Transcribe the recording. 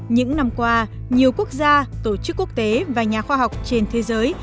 những năm qua nhiều quốc gia tổ chức quốc tế và nhà khoa học trên thế giới